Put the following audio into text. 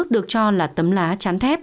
được cho là tấm lá chán thép